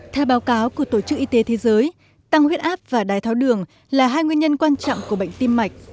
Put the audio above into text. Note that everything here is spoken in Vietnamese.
theo báo cáo của tổ chức y tế thế giới tăng huyết áp và đái tháo đường là hai nguyên nhân quan trọng của bệnh tim mạch